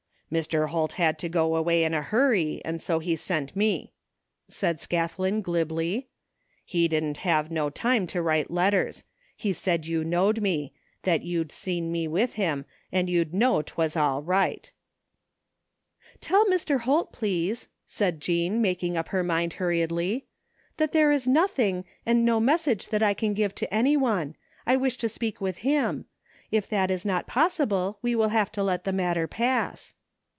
" Mr. Hok had to go away in a hurry and so he sent me," said Scathlin glibly. " He didn't have no time to write letters. He said you knowed me; that you'd seen me with him, an' you'd know 'twas all right" '* Tell Mr. Holt, please," said Jean, making up her mind hurriedly, " that there is nothing, and no message I can give to anyone. I wish to speak with him. If that is not possible we will have to let the matter pass."